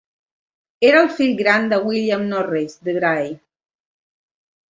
Era el fill gran de William Norreys, de Bray.